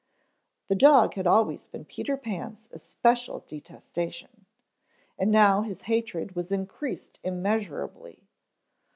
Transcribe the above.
The dog had always been Peter Pan's especial detestation, and now his hatred was increased immeasurably.